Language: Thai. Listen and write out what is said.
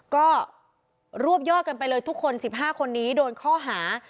ก็รวบยอดกันไปเลยทุกคน๑๕คนนี้โดนข้อหา